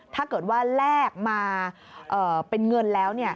ถ้าเกิดว่าแลกมาเป็นเงินแล้ว